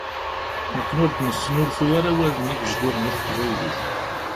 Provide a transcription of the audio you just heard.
Nekni ur d-neslufuy ara awalen igejduren i teqbaylit.